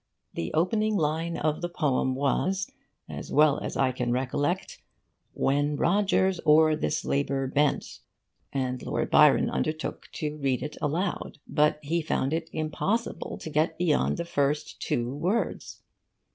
The opening line of the poem was, as well as I can recollect, "When Rogers o'er this labour bent;" and Lord Byron undertook to read it aloud; but he found it impossible to get beyond the first two words.